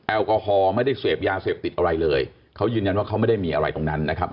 แอลกอฮอลไม่ได้เสพยาเสพติดอะไรเลยเขายืนยันว่าเขาไม่ได้มีอะไรตรงนั้นนะครับ